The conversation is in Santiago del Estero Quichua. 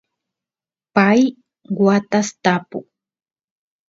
pay watas tapu